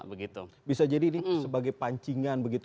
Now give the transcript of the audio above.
bisa jadi ini sebagai pancingan begitu